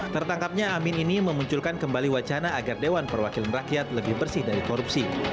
tertangkapnya amin ini memunculkan kembali wacana agar dewan perwakilan rakyat lebih bersih dari korupsi